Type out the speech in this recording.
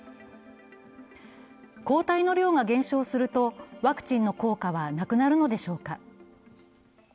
抗体の量が減少するとワクチンの効果はなくなるのでしょうか？